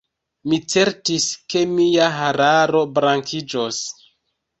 Mi certis ke mia hararo blankiĝos.